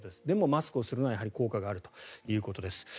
でもマスクをするのはやはり効果があるということです。